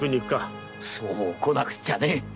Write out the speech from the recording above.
そうこなくちゃね。